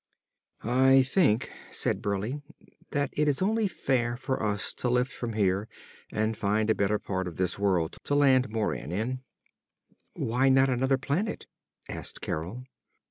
"I think," said Burleigh, "that it is only fair for us to lift from here and find a better part of this world to land Moran in." "Why not another planet?" asked Carol.